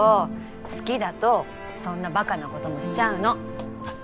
好きだとそんなバカなこともしちゃうの。